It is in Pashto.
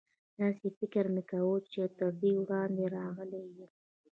داسې فکر مې کاوه چې تر دې وړاندې راغلی یم.